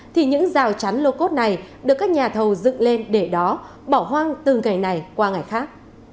thì những rào chắn lô cốt này được các nhà thầu dựng lên để đó bỏ hoang từ ngày này qua ngày khác